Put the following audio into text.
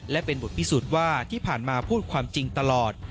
และเป็นบทพิสูจน์ว่าที่ผ่านมาพูดความจริงตลอด